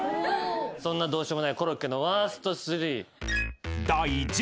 そんなどうしようもないコロッケのワースト３。